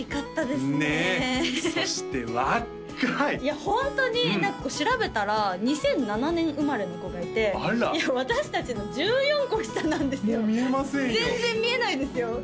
いやホントに何か調べたら２００７年生まれの子がいて私達の１４個下なんですよ